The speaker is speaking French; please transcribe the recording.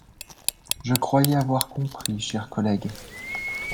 Je croyais avoir compris, chers collègues